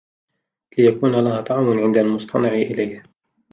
لِيَكُونَ لَهَا طَعْمٌ عِنْدَ الْمُصْطَنَعِ إلَيْهِ